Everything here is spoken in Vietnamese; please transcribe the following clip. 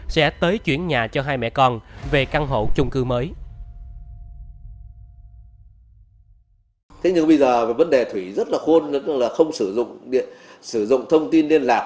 sẽ tới chuyển nhà cho hai mẹ con về căn hộ chung cư mới